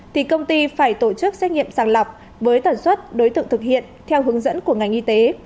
thì công ty phải tổ chức xét nghiệm sàng lọc với tần suất đối tượng thực hiện theo hướng dẫn của ngành y tế